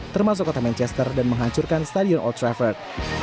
termasuk kota manchester dan menghancurkan stadion old trafford